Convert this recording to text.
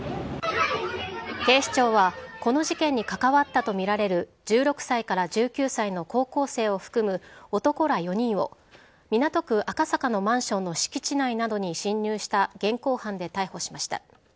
警視庁は、この事件に関わったと見られる１６歳から１９歳の高校生を含む男ら４人を、港区赤坂のマンションの敷地内などに侵入した現行犯で逮捕しました。